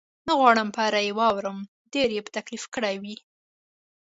نه غواړم په اړه یې واورم، ډېر یې په تکلیف کړی وې؟